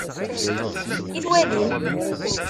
I twalim?